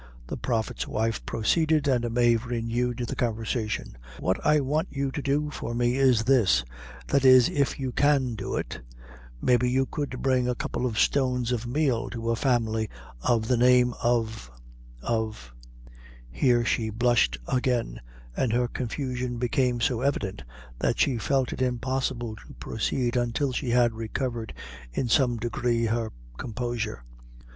The prophet's wife proceeded, and Mave renewed the conversation. "What I want you to do for me is this that is if you can do it maybe you could bring a couple of stones of meal to a family of the name of of " here she blushed again, and her confusion became so evident that she felt it impossible to proceed until she had recovered in some degree her composure.